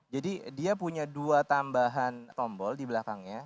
jadi dia punya dua tambahan tombol di belakangnya